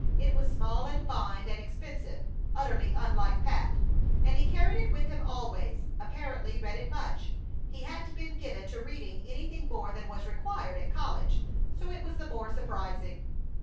It was small and fine and expensive, utterly unlike Pat, and he carried it with him always, apparently read it much. He hadn't been given to reading anything more than was required at college, so it was the more surprising.